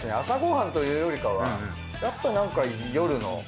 朝ごはんというよりかはやっぱなんか夜の。